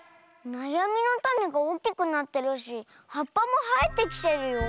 なやみのタネがおおきくなってるしはっぱもはえてきてるよ。